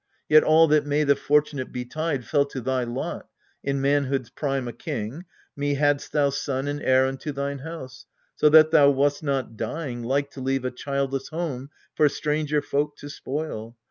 Yet all that may the fortunate betide Fell to thy lot ; in manhood's prime a king : Me hadst thou son and heir unto thine house, So that thou wast not, dying, like to leave A childless home for stranger folk to spoil.